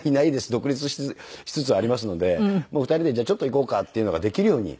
独立しつつありますのでもう２人でじゃあちょっと行こうかっていうのができるように。